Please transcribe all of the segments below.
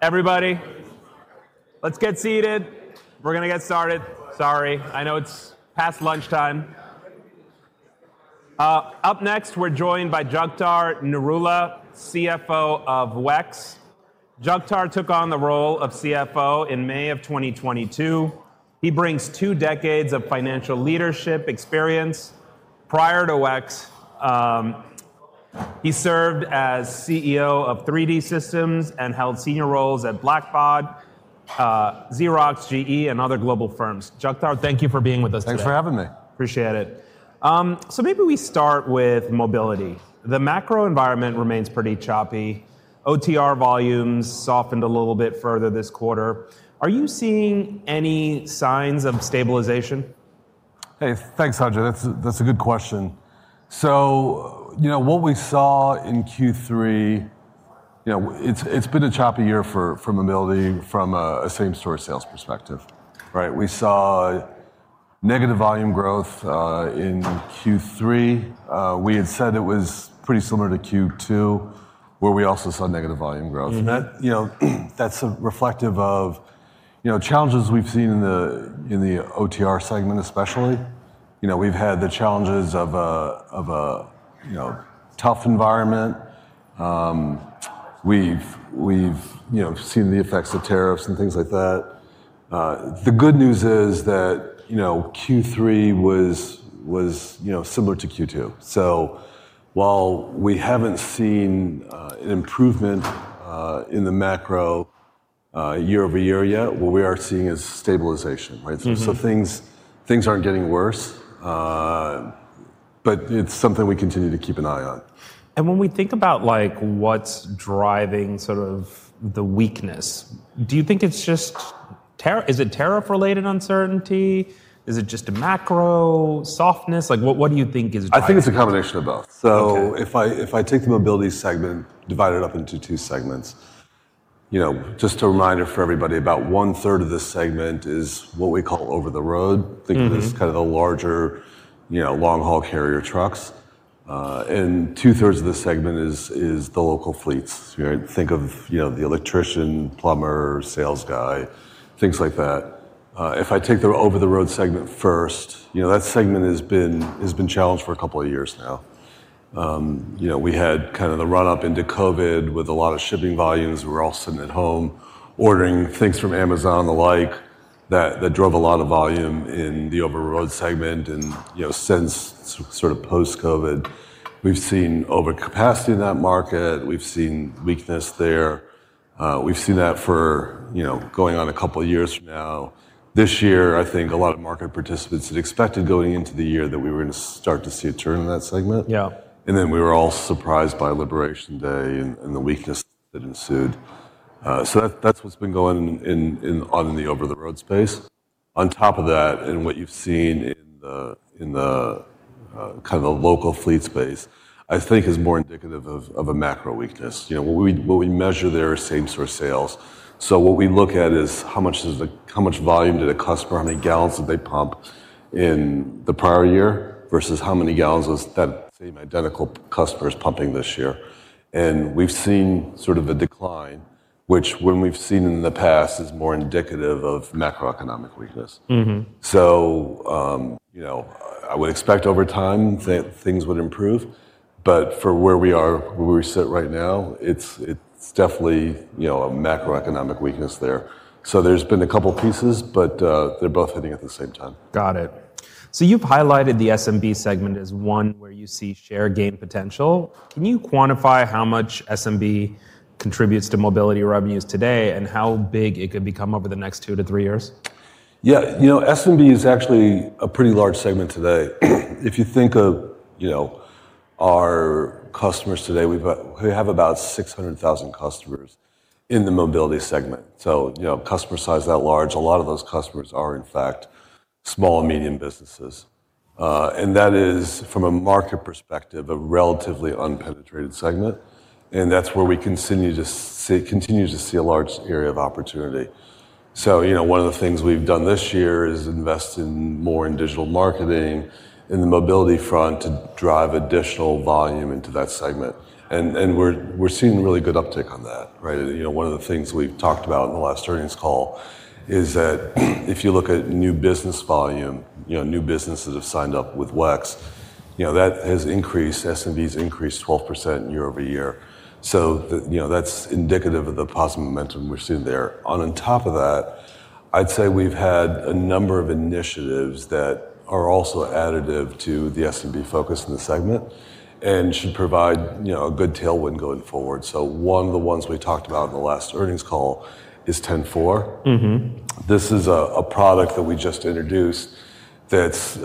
Everybody, let's get seated. We're going to get started. Sorry, I know it's past lunchtime. Up next, we're joined by Jagtar Narula, CFO of WEX. Jagtar took on the role of CFO in May of 2022. He brings two decades of financial leadership experience. Prior to WEX, he served as CFO of 3D Systems and held senior roles at Blackbaud, Xerox, GE, and other global firms. Jagtar, thank you for being with us today. Thanks for having me. Appreciate it. Maybe we start with mobility. The macro environment remains pretty choppy. OTR volumes softened a little bit further this quarter. Are you seeing any signs of stabilization? Hey, thanks, Sanjay. That's a good question. What we saw in Q3, it's been a choppy year for mobility from a same-store sales perspective. We saw negative volume growth in Q3. We had said it was pretty similar to Q2, where we also saw negative volume growth. That's reflective of challenges we've seen in the OTR segment, especially. We've had the challenges of a tough environment. We've seen the effects of tariffs and things like that. The good news is that Q3 was similar to Q2. While we haven't seen an improvement in the macro year-over-year yet, what we are seeing is stabilization. Things aren't getting worse, but it's something we continue to keep an eye on. When we think about what's driving sort of the weakness, do you think it's just tariff? Is it tariff-related uncertainty? Is it just a macro softness? What do you think is driving it? I think it's a combination of both. If I take the mobility segment, divide it up into two segments, just a reminder for everybody about one-third of this segment is what we call over-the-road. Think of it as kind of the larger long-haul carrier trucks. Two-thirds of the segment is the local fleets. Think of the electrician, plumber, sales guy, things like that. If I take the over-the-road segment first, that segment has been challenged for a couple of years now. We had kind of the run-up into COVID with a lot of shipping volumes. We were all sitting at home ordering things from Amazon and the like that drove a lot of volume in the over-the-road segment. Since sort of post-COVID, we've seen overcapacity in that market. We've seen weakness there. We've seen that for going on a couple of years now. This year, I think a lot of market participants had expected going into the year that we were going to start to see a turn in that segment. We were all surprised by Liberation Day and the weakness that ensued. That is what has been going on in the over-the-road space. On top of that, what you have seen in the kind of local fleet space, I think, is more indicative of a macro weakness. What we measure there is same-store sales. What we look at is how much volume did a customer, how many gallons did they pump in the prior year versus how many gallons was that same identical customer pumping this year. We have seen sort of a decline, which, when we have seen in the past, is more indicative of macroeconomic weakness. I would expect over time things would improve. For where we are, where we sit right now, it's definitely a macroeconomic weakness there. There's been a couple of pieces, but they're both hitting at the same time. Got it. So you've highlighted the SMB segment as one where you see share gain potential. Can you quantify how much SMB contributes to mobility revenues today and how big it could become over the next two to three years? Yeah. SMB is actually a pretty large segment today. If you think of our customers today, we have about 600,000 customers in the mobility segment. Customer size that large, a lot of those customers are in fact small and medium businesses. That is, from a market perspective, a relatively unpenetrated segment. That is where we continue to see a large area of opportunity. One of the things we've done this year is invest in more digital marketing in the mobility front to drive additional volume into that segment. We're seeing really good uptake on that. One of the things we've talked about in the last earnings call is that if you look at new business volume, new businesses have signed up with WEX. That has increased. SMB has increased 12% year-over-year. That is indicative of the positive momentum we've seen there. On top of that, I'd say we've had a number of initiatives that are also additive to the SMB focus in the segment and should provide a good tailwind going forward. One of the ones we talked about in the last earnings call is 10-4. This is a product that we just introduced that's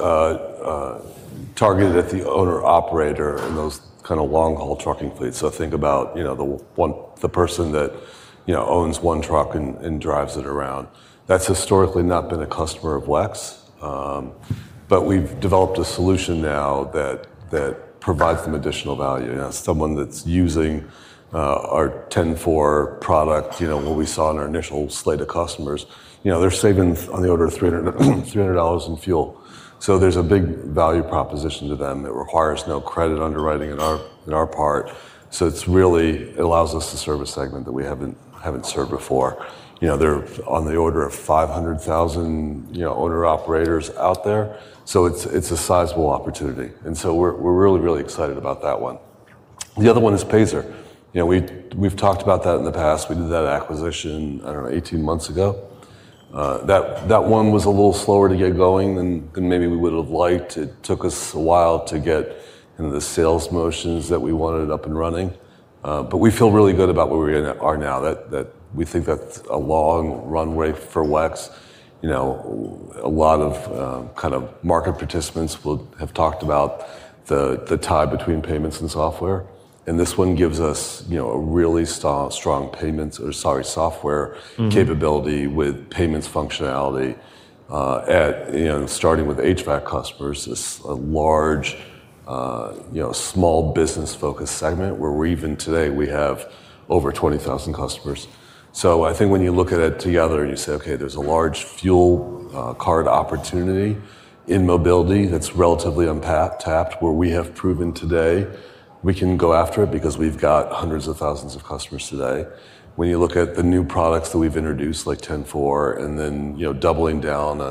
targeted at the owner-operator and those kind of long-haul trucking fleets. Think about the person that owns one truck and drives it around. That's historically not been a customer of WEX, but we've developed a solution now that provides them additional value. Someone that's using our 10-4 product, what we saw in our initial slate of customers, they're saving on the order of $300 in fuel. There's a big value proposition to them that requires no credit underwriting on our part. It really allows us to serve a segment that we have not served before. There are on the order of 500,000 owner-operators out there. It is a sizable opportunity. We are really, really excited about that one. The other one is Payzer. We have talked about that in the past. We did that acquisition, I do not know, 18 months ago. That one was a little slower to get going than maybe we would have liked. It took us a while to get into the sales motions that we wanted up and running. We feel really good about where we are now. We think that is a long runway for WEX. A lot of kind of market participants have talked about the tie between payments and software. This one gives us a really strong software capability with payments functionality. Starting with HVAC customers, it's a large small business-focused segment where even today we have over 20,000 customers. I think when you look at it together and you say, "Okay, there's a large fuel card opportunity in mobility that's relatively untapped where we have proven today we can go after it because we've got hundreds of thousands of customers today." When you look at the new products that we've introduced, like 10-4, and then doubling down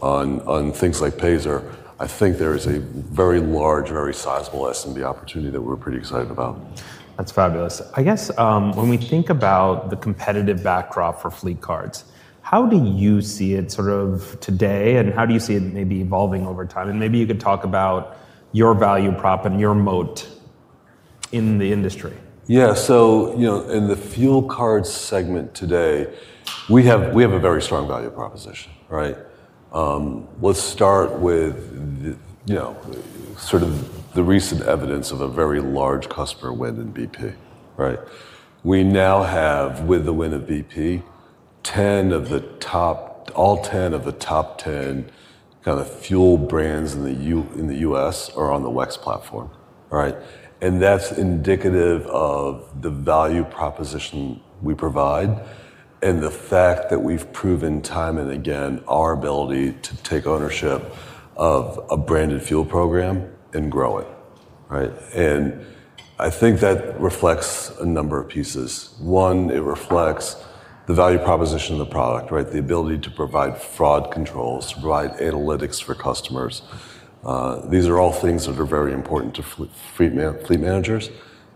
on things like Payzer, I think there is a very large, very sizable SMB opportunity that we're pretty excited about. That's fabulous. I guess when we think about the competitive backdrop for fleet cards, how do you see it sort of today and how do you see it maybe evolving over time? Maybe you could talk about your value prop and your moat in the industry. Yeah. In the fuel card segment today, we have a very strong value proposition. Let's start with sort of the recent evidence of a very large customer win in BP. We now have, with the win of BP, all 10 of the top 10 kind of fuel brands in the U.S. are on the WEX platform. That is indicative of the value proposition we provide and the fact that we have proven time and again our ability to take ownership of a branded fuel program and grow it. I think that reflects a number of pieces. One, it reflects the value proposition of the product, the ability to provide fraud controls, to provide analytics for customers. These are all things that are very important to fleet managers.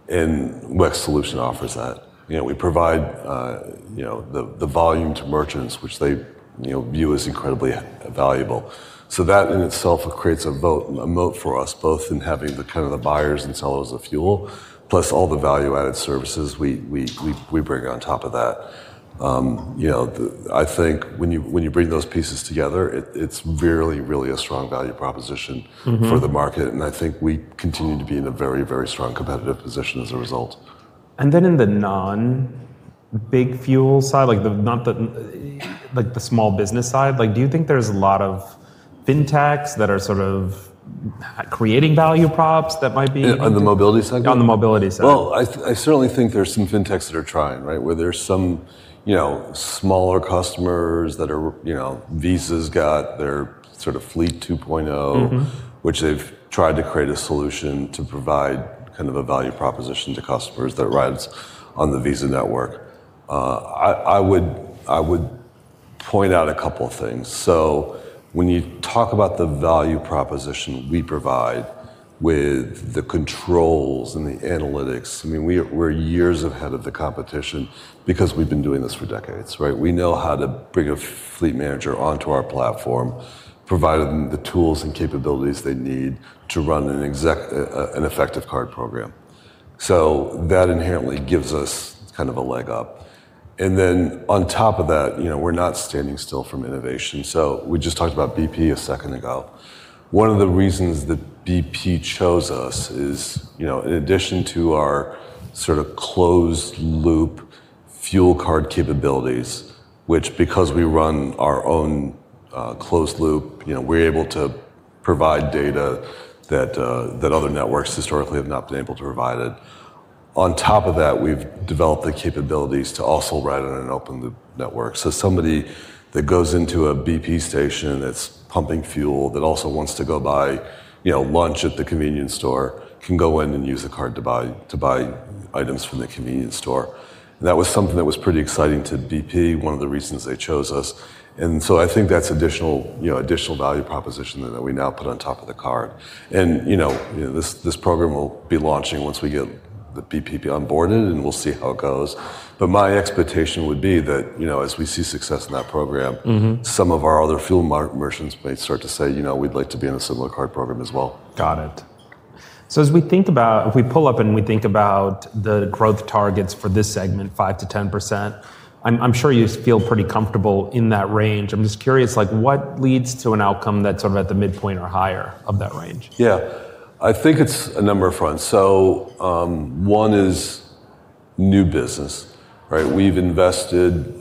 WEX Solution offers that. We provide the volume to merchants, which they view as incredibly valuable. That in itself creates a moat for us, both in having the kind of the buyers and sellers of fuel, plus all the value-added services we bring on top of that. I think when you bring those pieces together, it's really, really a strong value proposition for the market. I think we continue to be in a very, very strong competitive position as a result. In the non-big fuel side, like the small business side, do you think there's a lot of fintechs that are sort of creating value props that might be? On the mobility segment? On the mobility segment. I certainly think there's some fintechs that are trying, where there's some smaller customers that are, Visa's got their sort of Fleet 2.0, which they've tried to create a solution to provide kind of a value proposition to customers that rides on the Visa network. I would point out a couple of things. When you talk about the value proposition we provide with the controls and the analytics, I mean, we're years ahead of the competition because we've been doing this for decades. We know how to bring a fleet manager onto our platform, provide them the tools and capabilities they need to run an effective card program. That inherently gives us kind of a leg up. On top of that, we're not standing still from innovation. We just talked about BP a second ago. One of the reasons that BP chose us is, in addition to our sort of closed-loop fuel card capabilities, which because we run our own closed loop, we're able to provide data that other networks historically have not been able to provide. On top of that, we've developed the capabilities to also ride on an open-loop network. Somebody that goes into a BP station that's pumping fuel that also wants to go buy lunch at the convenience store can go in and use a card to buy items from the convenience store. That was something that was pretty exciting to BP, one of the reasons they chose us. I think that's additional value proposition that we now put on top of the card. This program will be launching once we get the BP onboarded, and we'll see how it goes. My expectation would be that as we see success in that program, some of our other fuel merchants may start to say, "We'd like to be in a similar card program as well. Got it. As we think about, if we pull up and we think about the growth targets for this segment, 5%-10%, I'm sure you feel pretty comfortable in that range. I'm just curious, what leads to an outcome that's sort of at the midpoint or higher of that range? Yeah. I think it's a number of fronts. One is new business. We've invested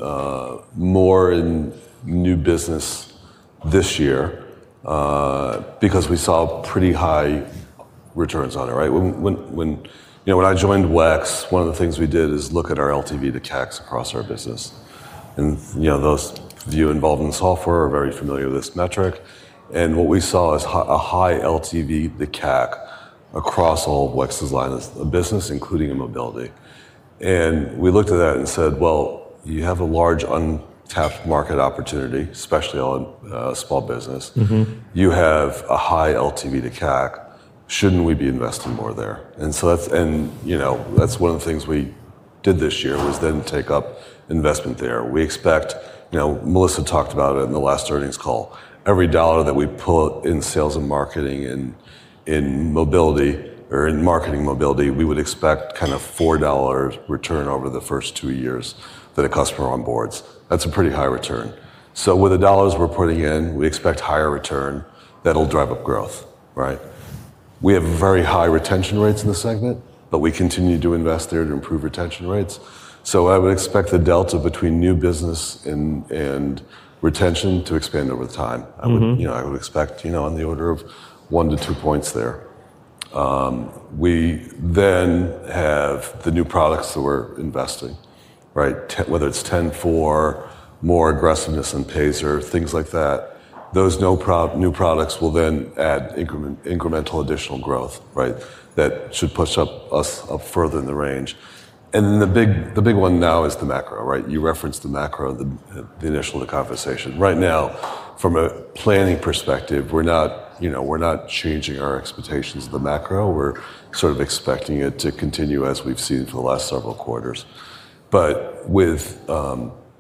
more in new business this year because we saw pretty high returns on it. When I joined WEX, one of the things we did is look at our LTV to CACs across our business. Those of you involved in software are very familiar with this metric. What we saw is a high LTV to CAC across all of WEX's line of business, including mobility. We looked at that and said, "You have a large untapped market opportunity, especially on small business. You have a high LTV to CAC. Shouldn't we be investing more there?" That is one of the things we did this year, take up investment there. We expect, Melissa talked about it in the last earnings call, every dollar that we put in sales and marketing and mobility or in marketing mobility, we would expect kind of $4 return over the first two years that a customer onboards. That is a pretty high return. With the dollars we are putting in, we expect higher return that will drive up growth. We have very high retention rates in the segment, but we continue to invest there to improve retention rates. I would expect the delta between new business and retention to expand over time. I would expect on the order of one to two points there. We then have the new products that we are investing, whether it is 10-4, more aggressiveness in Payzer, things like that. Those new products will then add incremental additional growth that should push us up further in the range. The big one now is the macro. You referenced the macro at the initial of the conversation. Right now, from a planning perspective, we're not changing our expectations of the macro. We're sort of expecting it to continue as we've seen for the last several quarters.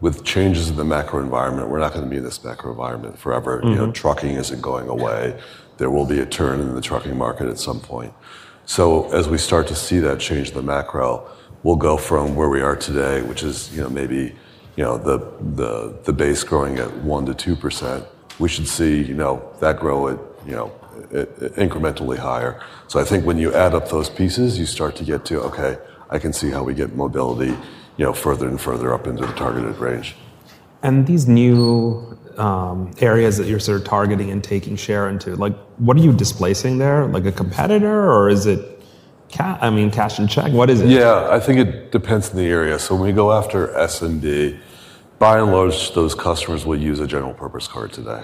With changes in the macro environment, we're not going to be in this macro environment forever. Trucking isn't going away. There will be a turn in the trucking market at some point. As we start to see that change in the macro, we'll go from where we are today, which is maybe the base growing at 1%-2%. We should see that grow incrementally higher. I think when you add up those pieces, you start to get to, "Okay, I can see how we get mobility further and further up into the targeted range. These new areas that you're sort of targeting and taking share into, what are you displacing there? Like a competitor or is it, I mean, cash and check? What is it? Yeah. I think it depends on the area. When we go after SMB, by and large, those customers will use a general purpose card today,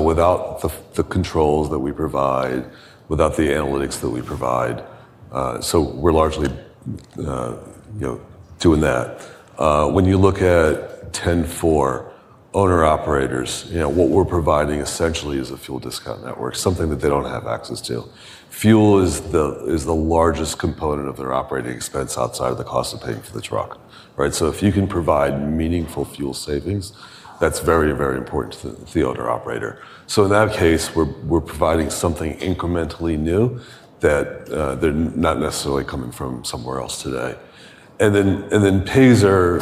without the controls that we provide, without the analytics that we provide, so we're largely doing that. When you look at 10-4, owner-operators, what we're providing essentially is a fuel discount network, something that they do not have access to. Fuel is the largest component of their operating expense outside of the cost of paying for the truck. If you can provide meaningful fuel savings, that's very, very important to the owner-operator. In that case, we're providing something incrementally new that they're not necessarily coming from somewhere else today. Payzer,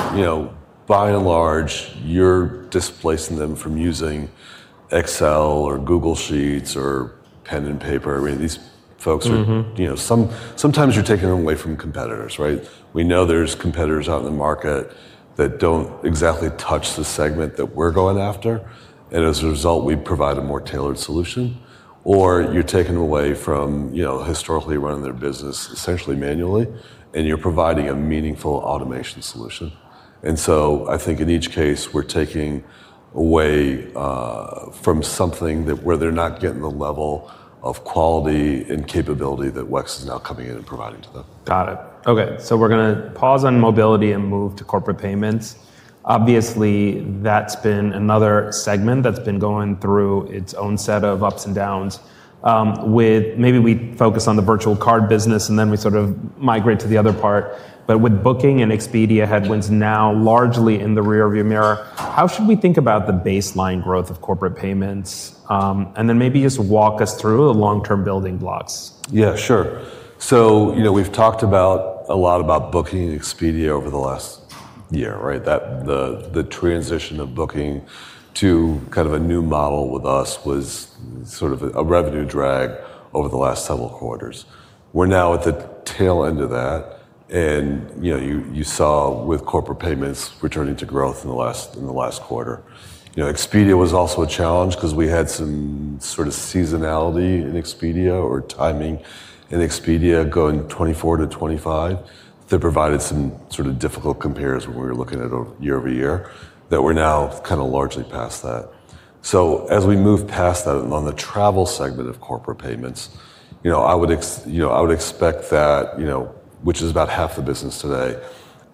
by and large, you're displacing them from using Excel or Google Sheets or pen and paper. These folks, sometimes you're taking them away from competitors. We know there's competitors out in the market that do not exactly touch the segment that we're going after. As a result, we provide a more tailored solution. Or you're taking them away from historically running their business essentially manually, and you're providing a meaningful automation solution. I think in each case, we're taking away from something where they're not getting the level of quality and capability that WEX is now coming in and providing to them. Got it. Okay. We're going to pause on mobility and move to corporate payments. Obviously, that's been another segment that's been going through its own set of ups and downs. Maybe we focus on the virtual card business, and then we sort of migrate to the other part. With Booking and Expedia headwinds now largely in the rearview mirror, how should we think about the baseline growth of corporate payments? Maybe just walk us through the long-term building blocks. Yeah, sure. So we've talked a lot about Booking and Expedia over the last year. The transition of Booking to kind of a new model with us was sort of a revenue drag over the last several quarters. We're now at the tail end of that. You saw with corporate payments returning to growth in the last quarter. Expedia was also a challenge because we had some sort of seasonality in Expedia or timing in Expedia going 2024 to 2025 that provided some sort of difficult comparisons when we were looking at it year-over-year that we're now kind of largely past that. As we move past that on the travel segment of corporate payments, I would expect that, which is about half the business today,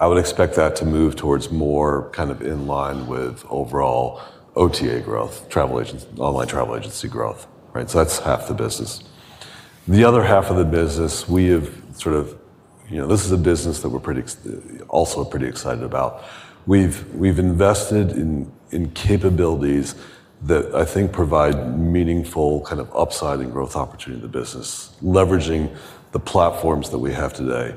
I would expect that to move towards more kind of in line with overall OTA growth, online travel agency growth. That's half the business. The other half of the business, we have sort of, this is a business that we're also pretty excited about. We've invested in capabilities that I think provide meaningful kind of upside and growth opportunity in the business, leveraging the platforms that we have today.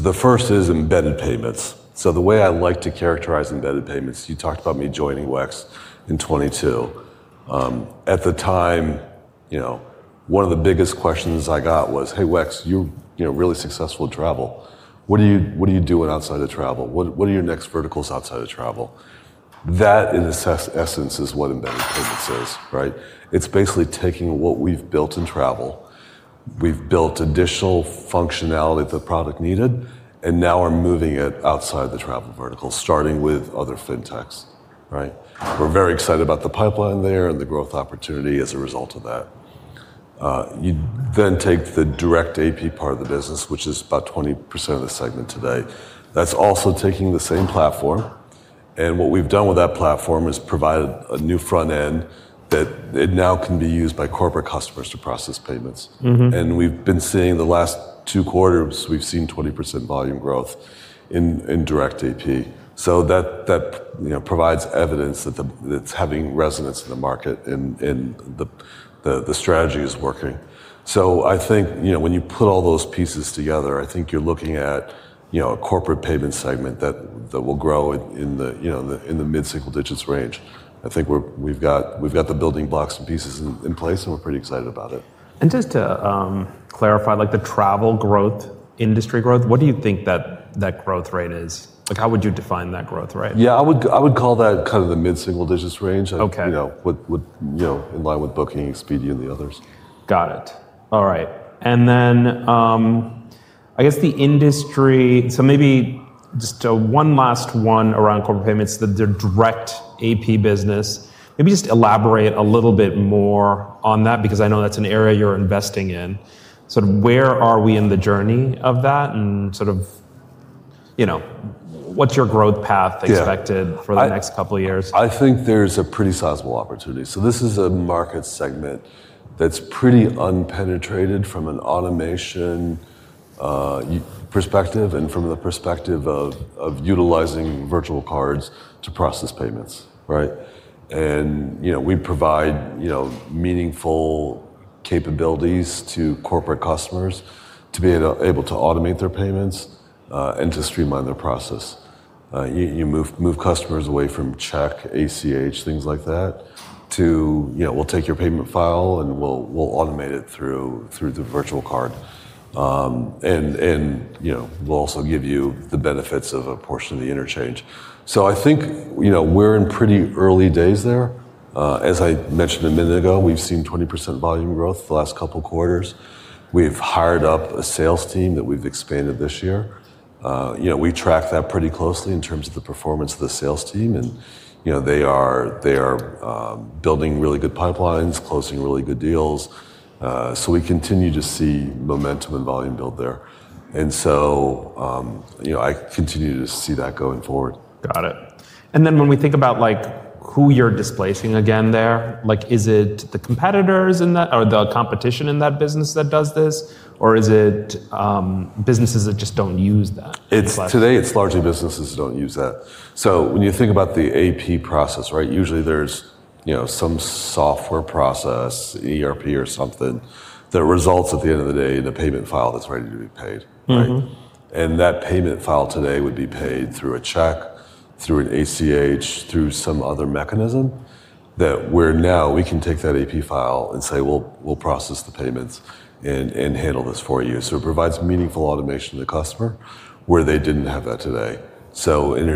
The first is embedded payments. The way I like to characterize embedded payments, you talked about me joining WEX in 2022. At the time, one of the biggest questions I got was, "Hey, WEX, you're really successful in travel. What are you doing outside of travel? What are your next verticals outside of travel?" That in essence is what embedded payments is. It's basically taking what we've built in travel, we've built additional functionality that the product needed, and now we're moving it outside the travel vertical, starting with other fintechs. We're very excited about the pipeline there and the growth opportunity as a result of that. You then take the direct AP part of the business, which is about 20% of the segment today. That's also taking the same platform. What we've done with that platform is provided a new front end that now can be used by corporate customers to process payments. We've been seeing the last two quarters, we've seen 20% volume growth in direct AP. That provides evidence that it's having resonance in the market and the strategy is working. I think when you put all those pieces together, I think you're looking at a corporate payment segment that will grow in the mid-single digits range. I think we've got the building blocks and pieces in place, and we're pretty excited about it. Just to clarify, the travel growth, industry growth, what do you think that growth rate is? How would you define that growth rate? Yeah, I would call that kind of the mid-single digits range, in line with Booking, Expedia, and the others. Got it. All right. I guess the industry, so maybe just one last one around corporate payments, the direct AP business. Maybe just elaborate a little bit more on that because I know that's an area you're investing in. Where are we in the journey of that? And sort of what's your growth path expected for the next couple of years? I think there's a pretty sizable opportunity. This is a market segment that's pretty unpenetrated from an automation perspective and from the perspective of utilizing virtual cards to process payments. We provide meaningful capabilities to corporate customers to be able to automate their payments and to streamline their process. You move customers away from check, ACH, things like that, to we'll take your payment file and we'll automate it through the virtual card. We'll also give you the benefits of a portion of the interchange. I think we're in pretty early days there. As I mentioned a minute ago, we've seen 20% volume growth the last couple of quarters. We've hired up a sales team that we've expanded this year. We track that pretty closely in terms of the performance of the sales team. They are building really good pipelines, closing really good deals. We continue to see momentum and volume build there. I continue to see that going forward. Got it. When we think about who you're displacing again there, is it the competitors or the competition in that business that does this, or is it businesses that just don't use that? Today, it's largely businesses that don't use that. When you think about the AP process, usually there's some software process, ERP or something, that results at the end of the day in a payment file that's ready to be paid. That payment file today would be paid through a check, through an ACH, through some other mechanism where now we can take that AP file and say, "We'll process the payments and handle this for you." It provides meaningful automation to the customer where they didn't have that today. In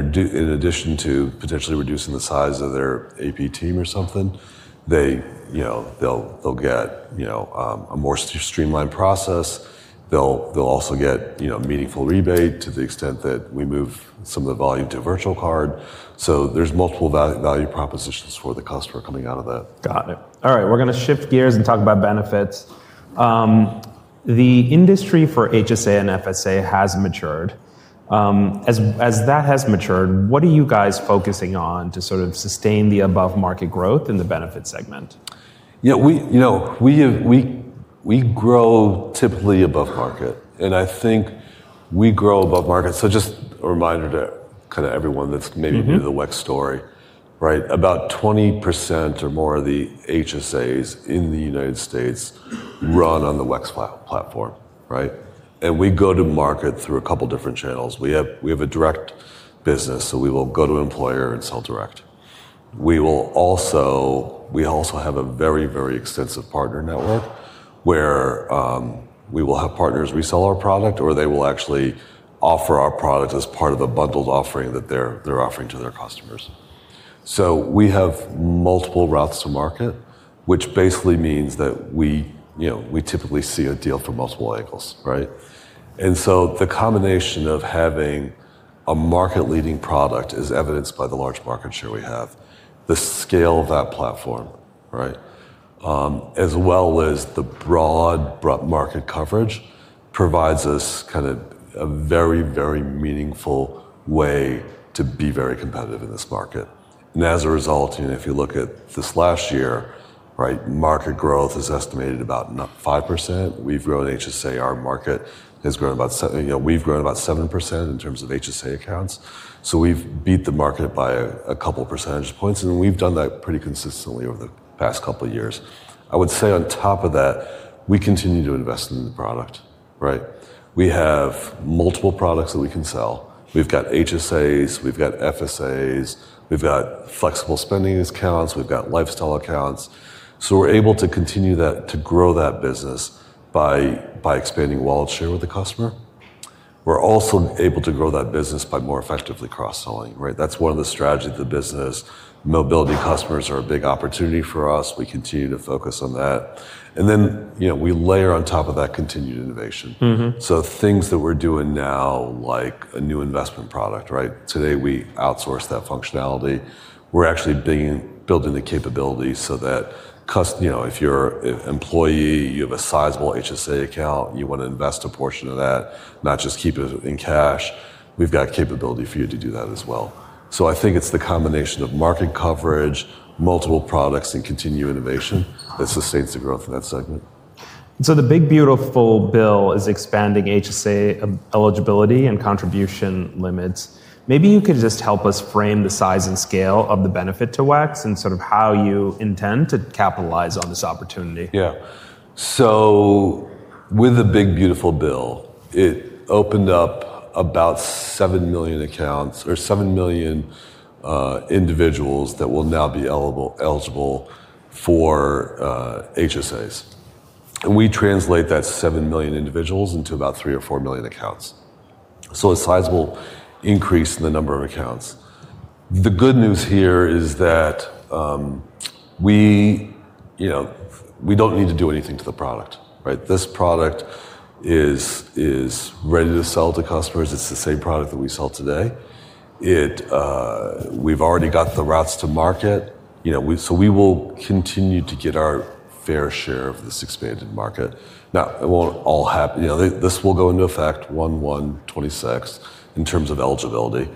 addition to potentially reducing the size of their AP team or something, they'll get a more streamlined process. They'll also get meaningful rebate to the extent that we move some of the volume to a virtual card. There are multiple value propositions for the customer coming out of that. Got it. All right. We're going to shift gears and talk about benefits. The industry for HSA and FSA has matured. As that has matured, what are you guys focusing on to sort of sustain the above-market growth in the benefit segment? We grow typically above market. I think we grow above market. Just a reminder to kind of everyone that's maybe new to the WEX story, about 20% or more of the HSAs in the United States run on the WEX platform. We go to market through a couple of different channels. We have a direct business, so we will go to employer and sell direct. We also have a very, very extensive partner network where we will have partners resell our product or they will actually offer our product as part of a bundled offering that they're offering to their customers. We have multiple routes to market, which basically means that we typically see a deal from multiple angles. The combination of having a market-leading product is evidenced by the large market share we have. The scale of that platform, as well as the broad market coverage, provides us kind of a very, very meaningful way to be very competitive in this market. As a result, if you look at this last year, market growth is estimated about 5%. We've grown HSA, our market has grown about 7% in terms of HSA accounts. We've beat the market by a couple of percentage points. We've done that pretty consistently over the past couple of years. I would say on top of that, we continue to invest in the product. We have multiple products that we can sell. We've got HSAs, we've got FSAs, we've got flexible spending accounts, we've got lifestyle accounts. We're able to continue to grow that business by expanding wallet share with the customer. We're also able to grow that business by more effectively cross-selling. That's one of the strategies of the business. Mobility customers are a big opportunity for us. We continue to focus on that. We layer on top of that continued innovation. Things that we're doing now, like a new investment product, today we outsource that functionality. We're actually building the capability so that if you're an employee, you have a sizable HSA account, you want to invest a portion of that, not just keep it in cash. We've got capability for you to do that as well. I think it's the combination of market coverage, multiple products, and continued innovation that sustains the growth in that segment. The Big Beautiful Bill is expanding HSA eligibility and contribution limits. Maybe you could just help us frame the size and scale of the benefit to WEX and sort of how you intend to capitalize on this opportunity. Yeah. With the Big Beautiful Bill, it opened up about 7 million accounts or 7 million individuals that will now be eligible for HSAs. We translate that 7 million individuals into about 3 million or 4 million accounts. A sizable increase in the number of accounts. The good news here is that we do not need to do anything to the product. This product is ready to sell to customers. It is the same product that we sell today. We have already got the routes to market. We will continue to get our fair share of this expanded market. It will not all happen. This will go into effect January 1, 2026 in terms of eligibility.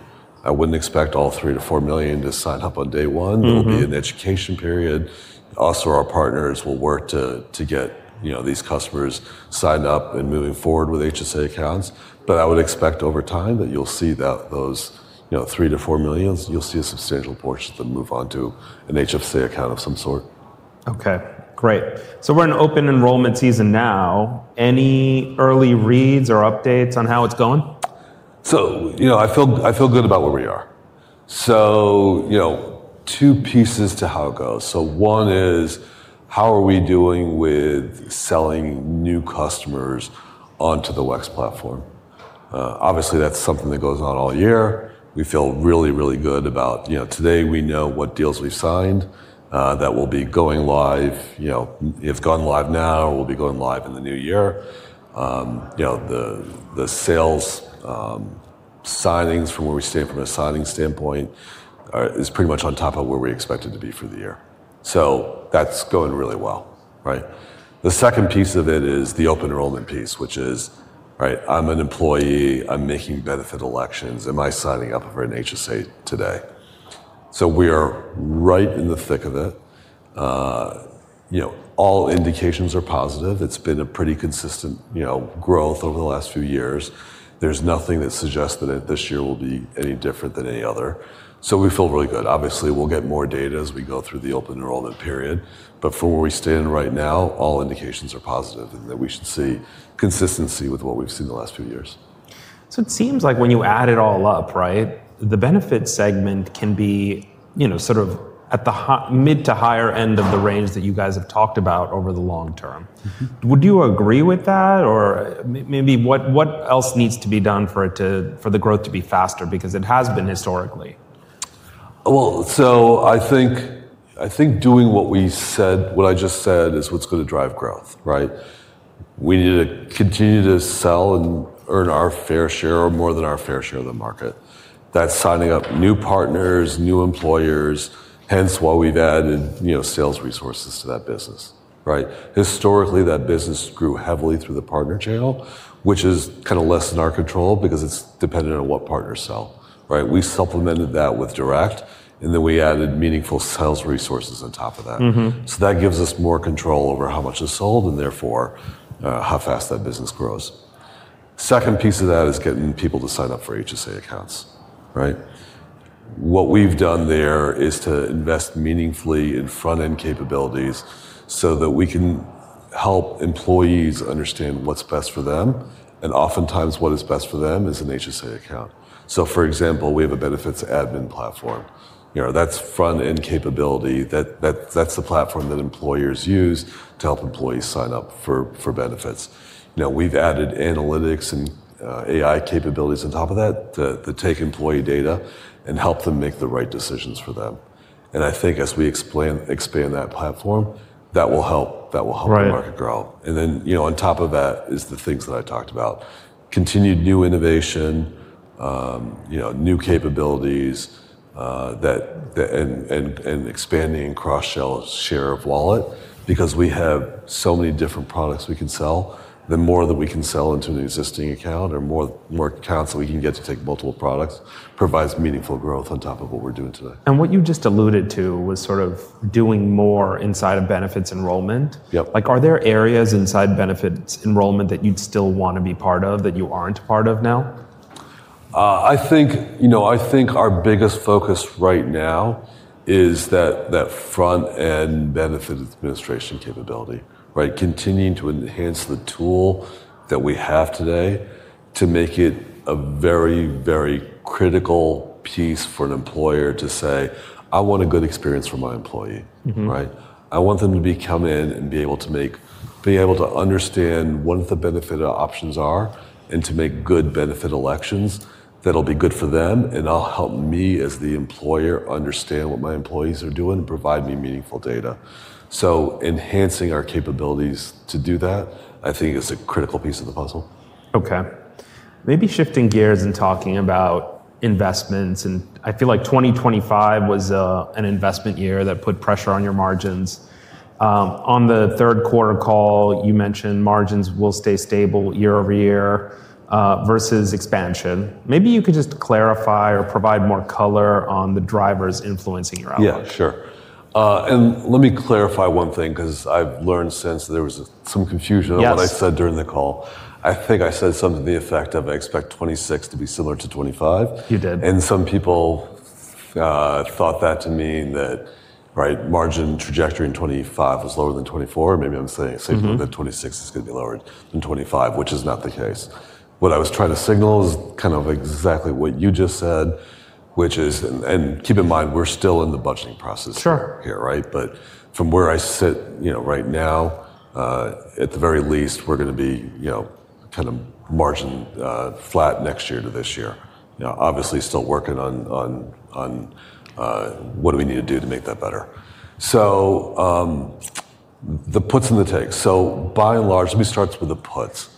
I would not expect all 3 million-4 million to sign up on day one. There will be an education period. Also, our partners will work to get these customers signed up and moving forward with HSA accounts. I would expect over time that you'll see that those 3 million-4 million, you'll see a substantial portion of them move on to an HFC account of some sort. Okay. Great. So we're in open enrollment season now. Any early reads or updates on how it's going? I feel good about where we are. Two pieces to how it goes. One is how are we doing with selling new customers onto the WEX platform? Obviously, that's something that goes on all year. We feel really, really good about today. We know what deals we've signed that will be going live. If gone live now, will be going live in the new year. The sales signings from where we stand from a signing standpoint is pretty much on top of where we expected to be for the year. That's going really well. The second piece of it is the open enrollment piece, which is I'm an employee, I'm making benefit elections, am I signing up for an HSA today? We are right in the thick of it. All indications are positive. It's been a pretty consistent growth over the last few years. There's nothing that suggests that this year will be any different than any other. We feel really good. Obviously, we'll get more data as we go through the open enrollment period. For where we stand right now, all indications are positive and that we should see consistency with what we've seen the last few years. It seems like when you add it all up, the benefit segment can be sort of at the mid to higher end of the range that you guys have talked about over the long term. Would you agree with that? Or maybe what else needs to be done for the growth to be faster because it has been historically? I think doing what I just said is what's going to drive growth. We need to continue to sell and earn our fair share or more than our fair share of the market. That's signing up new partners, new employers, hence why we've added sales resources to that business. Historically, that business grew heavily through the partner channel, which is kind of less in our control because it's dependent on what partners sell. We supplemented that with direct, and then we added meaningful sales resources on top of that. That gives us more control over how much is sold and therefore how fast that business grows. Second piece of that is getting people to sign up for HSA accounts. What we've done there is to invest meaningfully in front-end capabilities so that we can help employees understand what's best for them. Oftentimes what is best for them is an HSA account. For example, we have a benefits admin platform. That is front-end capability. That is the platform that employers use to help employees sign up for benefits. We have added analytics and AI capabilities on top of that to take employee data and help them make the right decisions for them. I think as we expand that platform, that will help the market grow. On top of that are the things that I talked about: continued new innovation, new capabilities, and expanding cross-sell share of wallet because we have so many different products we can sell. The more that we can sell into an existing account or more accounts that we can get to take multiple products provides meaningful growth on top of what we are doing today. What you just alluded to was sort of doing more inside of benefits enrollment. Are there areas inside benefits enrollment that you'd still want to be part of that you aren't part of now? I think our biggest focus right now is that front-end benefit administration capability. Continuing to enhance the tool that we have today to make it a very, very critical piece for an employer to say, "I want a good experience for my employee." I want them to come in and be able to understand what the benefit options are and to make good benefit elections that'll be good for them. I will help me as the employer understand what my employees are doing and provide me meaningful data. Enhancing our capabilities to do that, I think, is a critical piece of the puzzle. Okay. Maybe shifting gears and talking about investments. I feel like 2025 was an investment year that put pressure on your margins. On the third quarter call, you mentioned margins will stay stable year-over-year versus expansion. Maybe you could just clarify or provide more color on the drivers influencing your outlook. Yeah, sure. Let me clarify one thing because I've learned since there was some confusion on what I said during the call. I think I said something to the effect of I expect 2026 to be similar to 2025. You did. Some people thought that to mean that margin trajectory in 2025 was lower than 2024. Maybe I'm saying that 2026 is going to be lower than 2025, which is not the case. What I was trying to signal is kind of exactly what you just said, which is, and keep in mind, we're still in the budgeting process here. From where I sit right now, at the very least, we're going to be kind of margin flat next year to this year. Obviously, still working on what do we need to do to make that better. The puts and the takes. By and large, let me start with the puts.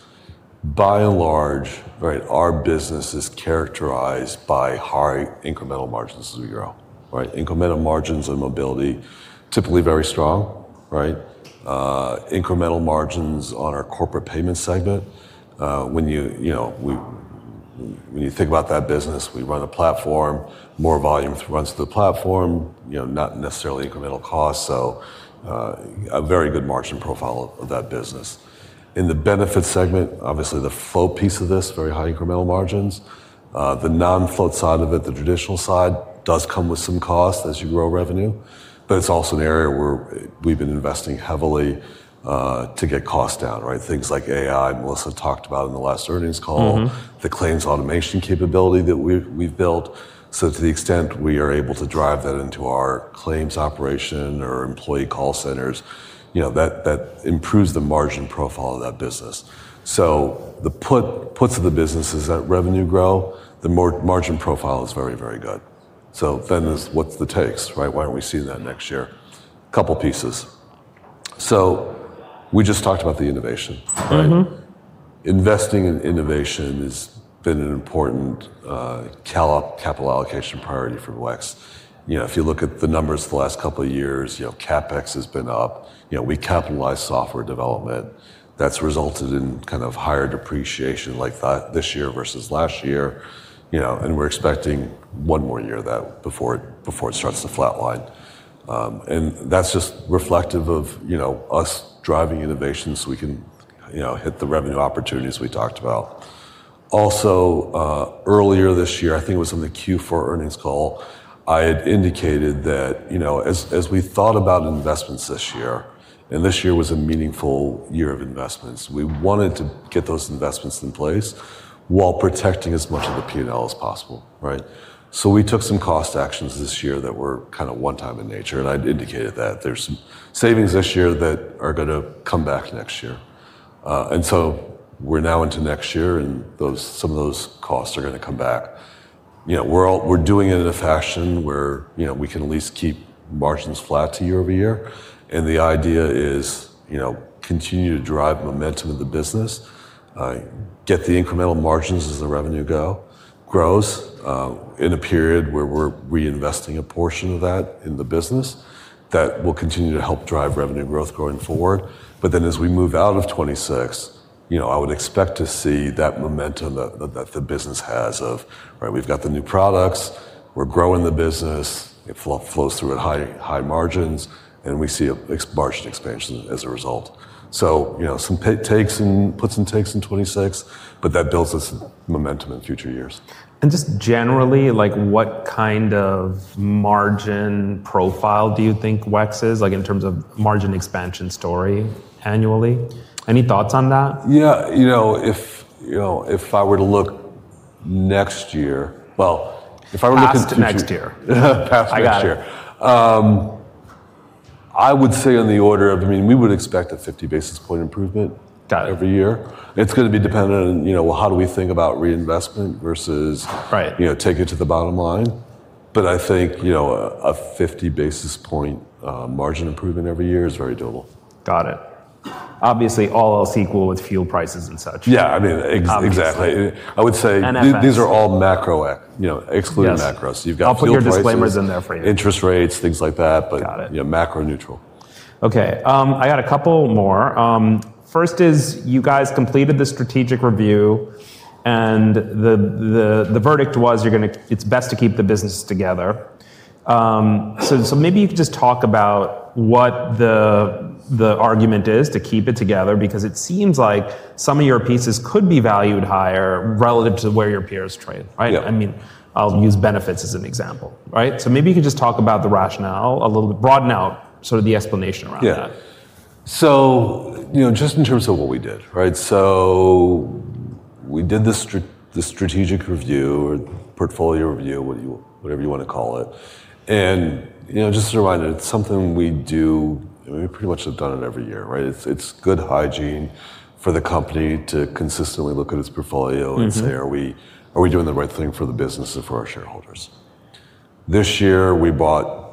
By and large, our business is characterized by high incremental margins as we grow. Incremental margins on mobility, typically very strong. Incremental margins on our corporate payment segment. When you think about that business, we run a platform, more volume runs through the platform, not necessarily incremental costs. So a very good margin profile of that business. In the benefit segment, obviously the float piece of this, very high incremental margins. The non-float side of it, the traditional side, does come with some cost as you grow revenue. But it's also an area where we've been investing heavily to get costs down. Things like AI, Melissa talked about in the last earnings call, the claims automation capability that we've built. To the extent we are able to drive that into our claims operation or employee call centers, that improves the margin profile of that business. The puts of the business is that revenue grow, the margin profile is very, very good. What's the takes? Why aren't we seeing that next year? A couple of pieces. We just talked about the innovation. Investing in innovation has been an important capital allocation priority for WEX. If you look at the numbers the last couple of years, CapEx has been up. We capitalize software development. That has resulted in kind of higher depreciation like this year versus last year. We are expecting one more year of that before it starts to flatline. That is just reflective of us driving innovation so we can hit the revenue opportunities we talked about. Also, earlier this year, I think it was on the Q4 earnings call, I had indicated that as we thought about investments this year, and this year was a meaningful year of investments, we wanted to get those investments in place while protecting as much of the P&L as possible. We took some cost actions this year that were kind of one-time in nature. I'd indicated that there's savings this year that are going to come back next year. We're now into next year and some of those costs are going to come back. We're doing it in a fashion where we can at least keep margins flat year-over-year. The idea is continue to drive momentum of the business, get the incremental margins as the revenue grows in a period where we're reinvesting a portion of that in the business that will continue to help drive revenue growth going forward. As we move out of 2026, I would expect to see that momentum that the business has of we've got the new products, we're growing the business, it flows through at high margins, and we see a margin expansion as a result. Some puts and takes in 2026, but that builds us momentum in future years. Just generally, what kind of margin profile do you think WEX is in terms of margin expansion story annually? Any thoughts on that? Yeah. If I were to look next year, if I were looking to. Past next year. Past next year. I would say on the order of, I mean, we would expect a 50 basis point improvement every year. It is going to be dependent on how do we think about reinvestment versus taking it to the bottom line. I think a 50 basis point margin improvement every year is very doable. Got it. Obviously, all else equal with fuel prices and such. Yeah, I mean, exactly. I would say these are all macro, excluding macro. So you've got fuel prices. All future disclaimers in there for you. Interest rates, things like that, but macro neutral. Okay. I got a couple more. First is you guys completed the strategic review and the verdict was it's best to keep the business together. Maybe you could just talk about what the argument is to keep it together because it seems like some of your pieces could be valued higher relative to where your peers trade. I mean, I'll use benefits as an example. Maybe you could just talk about the rationale a little bit, broaden out sort of the explanation around that. Yeah. Just in terms of what we did. We did the strategic review or portfolio review, whatever you want to call it. Just to remind you, it's something we do, we pretty much have done it every year. It's good hygiene for the company to consistently look at its portfolio and say, are we doing the right thing for the business and for our shareholders? This year, we brought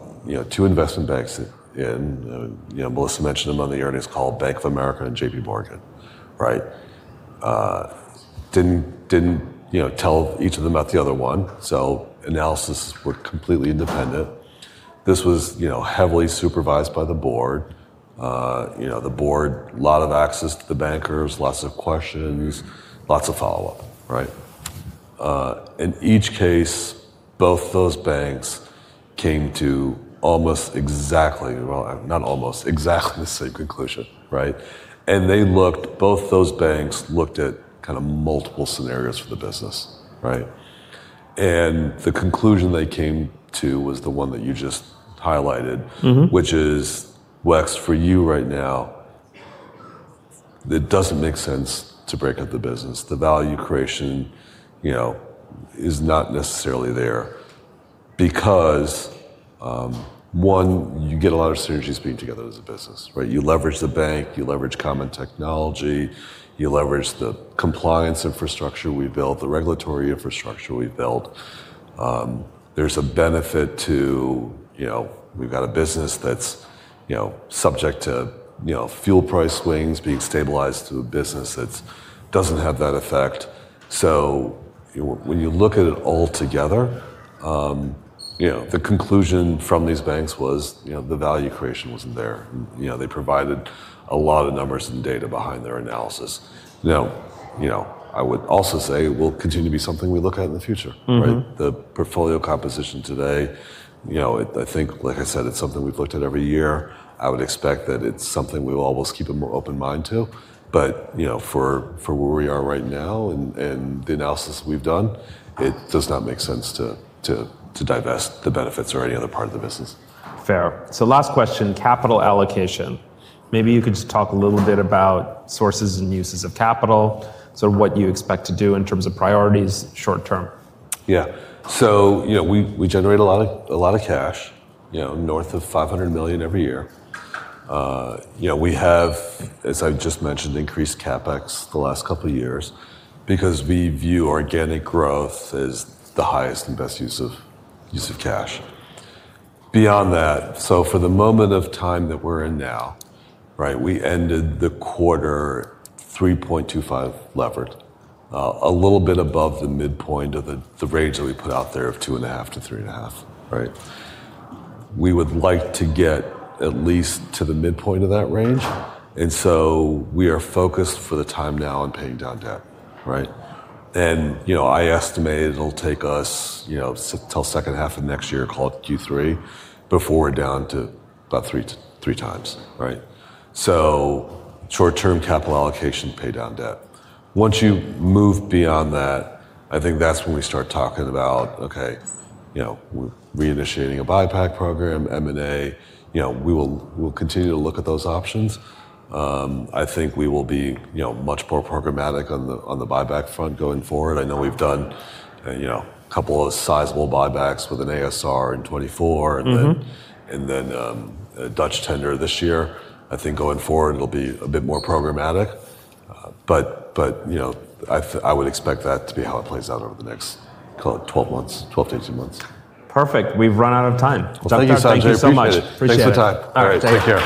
two investment banks in, Melissa mentioned them on the earnings call, Bank of America and JPMorgan. Didn't tell each of them about the other one. Analysis was completely independent. This was heavily supervised by the board. The board, a lot of access to the bankers, lots of questions, lots of follow-up. In each case, both those banks came to almost exactly, well, not almost, exactly the same conclusion. Both those banks looked at kind of multiple scenarios for the business. The conclusion they came to was the one that you just highlighted, which is WEX for you right now, it does not make sense to break up the business. The value creation is not necessarily there because, one, you get a lot of synergies being together as a business. You leverage the bank, you leverage common technology, you leverage the compliance infrastructure we built, the regulatory infrastructure we built. There is a benefit to we have got a business that is subject to fuel price swings being stabilized to a business that does not have that effect. When you look at it all together, the conclusion from these banks was the value creation was not there. They provided a lot of numbers and data behind their analysis. Now, I would also say it will continue to be something we look at in the future. The portfolio composition today, I think, like I said, it's something we've looked at every year. I would expect that it's something we will always keep a more open mind to. For where we are right now and the analysis we've done, it does not make sense to divest the benefits or any other part of the business. Fair. Last question, capital allocation. Maybe you could just talk a little bit about sources and uses of capital, sort of what you expect to do in terms of priorities short term. Yeah. So we generate a lot of cash, north of $500 million every year. We have, as I just mentioned, increased CapEx the last couple of years because we view organic growth as the highest and best use of cash. Beyond that, for the moment of time that we're in now, we ended the quarter 3.25x levered, a little bit above the midpoint of the range that we put out there of 2.5x-3.5x. We would like to get at least to the midpoint of that range. We are focused for the time now on paying down debt. I estimate it'll take us until second half of next year, call it Q3, before we're down to about 3x. Short-term capital allocation, pay down debt. Once you move beyond that, I think that's when we start talking about, okay, reinitiating a buyback program, M&A. We will continue to look at those options. I think we will be much more programmatic on the buyback front going forward. I know we've done a couple of sizable buybacks with an ASR in 2024 and then a Dutch tender this year. I think going forward, it'll be a bit more programmatic. I would expect that to be how it plays out over the next, call it 12 months, 12-18 months. Perfect. We've run out of time. Thank you so much. Thank you so much. Appreciate it. Thanks for the time. All right. Take care.